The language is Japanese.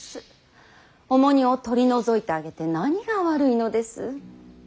重荷を取り除いてあげて何が悪いのです。